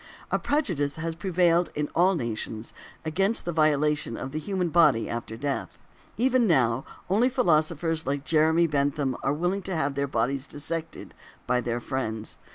A prejudice has prevailed in all nations against the violation of the human body after death. Even now, only philosophers like Jeremy Bentham are willing to have their bodies dissected by their friends.